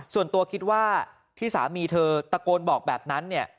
ส่วนตัวคิดว่าที่สามีเธอตะโกนบอกแบบนั้นเนี่ย